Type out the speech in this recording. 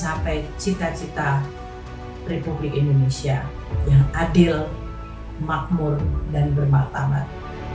supaya mencapai cita cita republik indonesia yang adil makmur dan bermaktamat